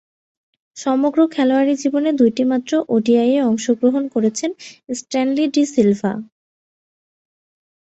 সমগ্র খেলোয়াড়ী জীবনে দুইটিমাত্র ওডিআইয়ে অংশগ্রহণ করেছেন স্ট্যানলি ডি সিলভা।